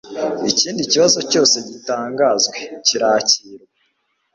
ikindi kibazo cyose gitanzwe kirakirwa